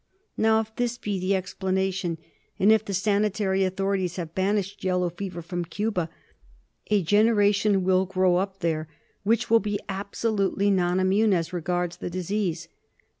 Now if this be the explanation, and if the sanitary authorities have banished yellow fever from Cuba, a generation will grow up there which will be absolutely non immune as regards the disease.